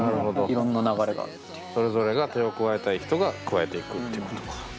それぞれが手を加えたい人が加えていくっていうことか。